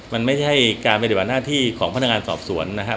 มันไม่ใช่การปฏิบัติหน้าที่ของพนักงานสอบสวนนะครับ